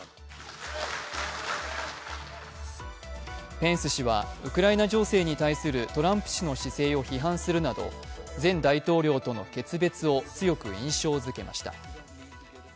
ペンス氏はウクライナ情勢に対するトランプ氏の姿勢を批判するなど前大統領との決別を強く印象づけました。